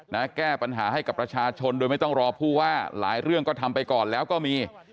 นะแก้ปัญหาให้กับประชาชนโดยไม่ต้องรอผู้ว่าหลายเรื่องก็ทำไปก่อนแล้วก็มี